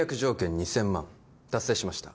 ２０００万達成しました